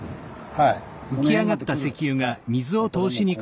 はい。